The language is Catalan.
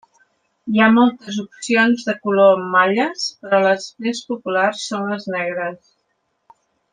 Hi ha moltes opcions de color en malles, però les més populars són les negres.